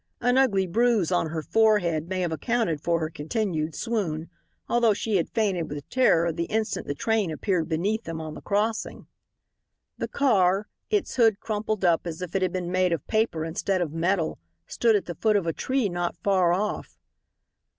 An ugly bruise on her forehead may have accounted for her continued swoon although she had fainted with terror the instant the train appeared beneath them on the crossing. The car, its hood crumpled up as if it had been made of paper instead of metal, stood at the foot of a tree not far off.